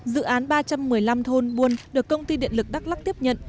dự án ba trăm một mươi năm thôn buôn được công ty điện lực đắk lắc tiếp nhận